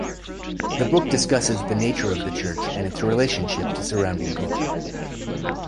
The book discusses the nature of the church and its relationship to surrounding culture.